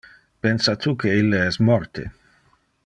Pensa tu que ille es morte?